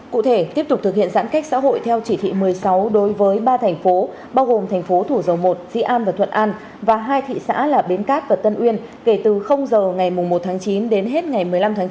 cụ thể tiếp tục thực hiện giãn cách xã hội theo chỉ thị một mươi sáu đối với ba thành phố bao gồm thành phố thủ dầu một dĩ an và thuận an và hai thị xã là bến cát và tân uyên kể từ giờ ngày một tháng chín đến hết ngày một mươi năm tháng chín